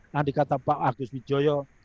yang dikata pak agus widjoyo